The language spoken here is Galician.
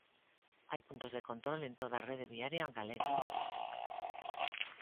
Hai puntos de control en toda a rede viaria galega.